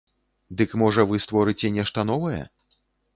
Дык можа вы створыце нешта новае?